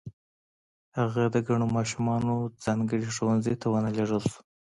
هغه د کڼو ماشومانو ځانګړي ښوونځي ته و نه لېږل شو